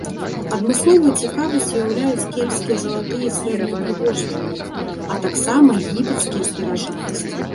Адмысловую цікавасць уяўляюць кельтскія залатыя і срэбныя ўпрыгожванні, а таксама егіпецкія старажытнасці.